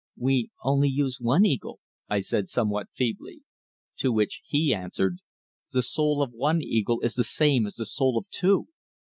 "We only use one eagle," I said, somewhat feebly. To which he answered, "The soul of one eagle is the same as the soul of two."